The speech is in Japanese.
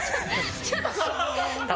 ちょっと。